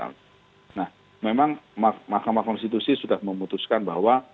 nah memang mahkamah konstitusi sudah memutuskan bahwa